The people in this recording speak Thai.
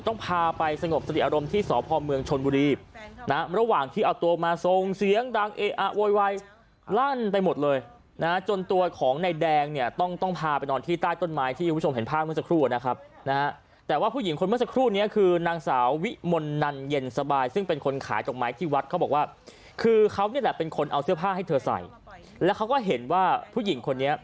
น่ะสุดท้ายตรงตรงต้องพาไปสงบสติอารมณ์ที่สอบภอมเมืองชนบุรีนะ